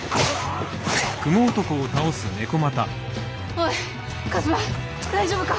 おい一馬大丈夫か！